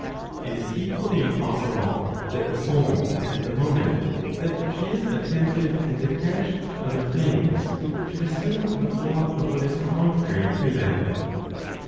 It is equally impossible that the soul, at the moment that she is attentive, and attached to other things, should assume the form of what is contrary to them.